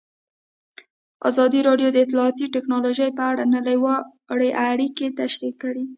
ازادي راډیو د اطلاعاتی تکنالوژي په اړه نړیوالې اړیکې تشریح کړي.